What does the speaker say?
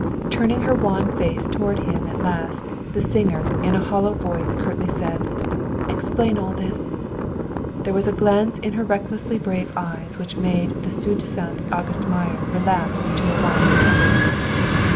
Turning her wan face toward him at last, the singer, in a hollow voice, curtly said, "Explain all this!" There was a glance in her recklessly brave eyes which made the soi disant August Meyer relapse into a whining tenderness.